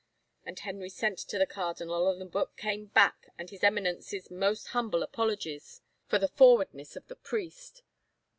And Henry sent to the cardinal and the book came back and his Eminence's most humble apologies for the f rowardness of the priest.